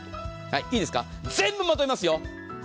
いいですか、全部まとめますよ。